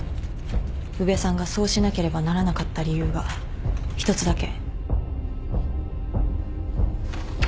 宇部さんがそうしなければならなかった理由が１つだけ。